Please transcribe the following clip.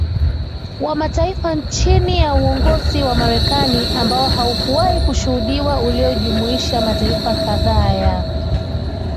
wa Mataifa chini ya uongozi wa Marekani ambao haukuwahi kushuhudiwa uliojumuisha mataifa kadhaa ya